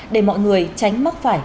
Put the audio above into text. để mọi người tránh mắc phải đuối nước